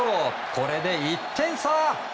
これで１点差。